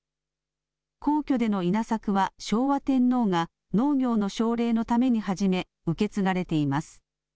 皇居での稲作は、昭和天皇が農業の奨励のために始め、受け継がれています。